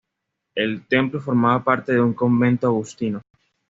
El templo formaba parte de un convento agustino.